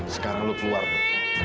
sekarang lo keluar dio